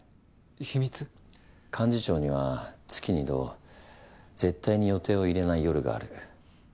幹事長には月２度絶対に予定を入れない夜がある。